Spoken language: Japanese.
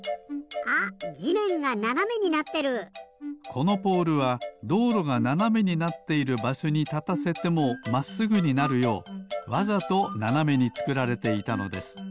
このポールはどうろがななめになっているばしょにたたせてもまっすぐになるようわざとななめにつくられていたのです。